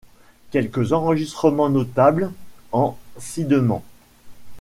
Quelques enregistrements notables en sideman.